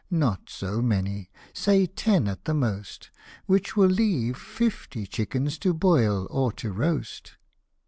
not so many say ten at the most, Which will leave fifty chickens to boil or to roast.